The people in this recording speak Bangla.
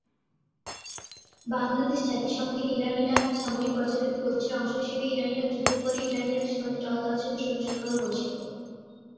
বাংলাদেশ জাতিসংঘের ইরান-ইরাক সামরিক পর্যবেক্ষক গোষ্ঠীর অংশ হিসাবে ইরান-ইরাক যুদ্ধের পরে ইরান-ইরাক সীমান্তে টহল দেওয়ার জন্য সৈন্য সরবরাহ করেছিল।